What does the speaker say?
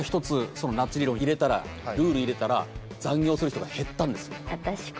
そのナッジ理論を入れたらルール入れたら残業する人が減ったんです。